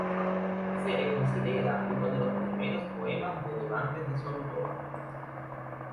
Se le considera uno de los primeros poemas relevantes de su autor.